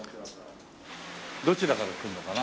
どちらから来るのかな？